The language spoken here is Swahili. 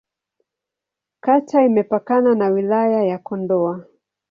Kata imepakana na Wilaya ya Kondoa.